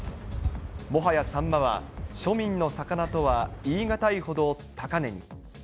もはやサンマは庶民の魚とは言い難いほど高値に。